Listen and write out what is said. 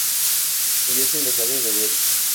Murió sin dejar herederos.